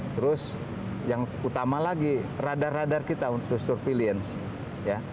terus yang utama lagi radar radar kita untuk surveillance